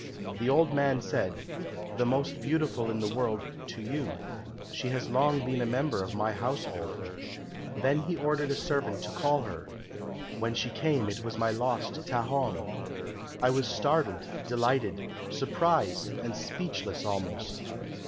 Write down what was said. The old man said, 'The most beautiful in the world to you. She has long been a member of my household.' Then he ordered a servant to call her. When she came it was my lost Ta hong. I was startled, delighted, surprised, and speechless almost.